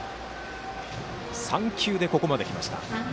３球で、ここまで来ました。